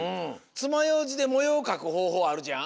つまようじでもようかくほうほうあるじゃん。